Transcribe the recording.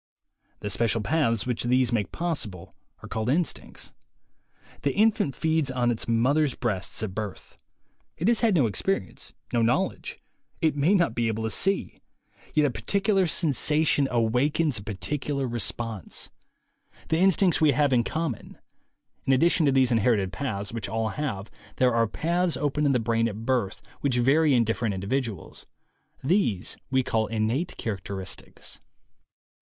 The special paths which these make possible are called instincts. The in fant feeds on its mother's breasts at birth. It has had no experience, no knowledge; it may not be able to see. Yet a particular sensation awakens a 76 THE WAY TO WILL POWER particular response. The instincts we have in com mon. In addition to these inherited paths which all have, there are paths open in the brain at birth which vary in different individuals. These we call innate characteristics.